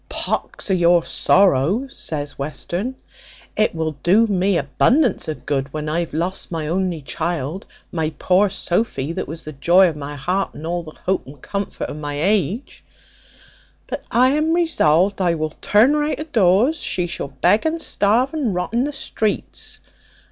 "Pox o' your sorrow," says Western; "it will do me abundance of good when I have lost my only child, my poor Sophy, that was the joy of my heart, and all the hope and comfort of my age; but I am resolved I will turn her out o' doors; she shall beg, and starve, and rot in the streets.